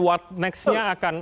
what next nya akan